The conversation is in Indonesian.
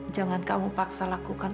jangan kamu paksa lakukan